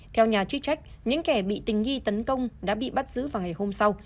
theo nhà chức trách những kẻ bị tình nghi tấn công đã bị bắt giữ vào ngày hôm sau